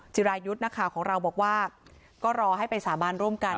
จิรายุทธ์ของเราบอกว่าก็รอให้ไปสถาบันร่วมกัน